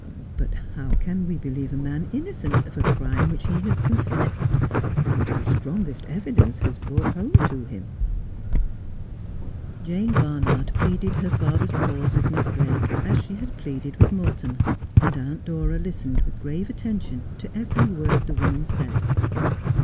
' How can we believe a man innocent of a crime which he has confessed, which the strongest evidence has brought home to Mm 1 ' 92 Just as I Am. Jane Barnard pleaded her father's cause with Miss Blake as she had pleaded with Morton, and Aunt Dora listened with grave attention to every word the woman said.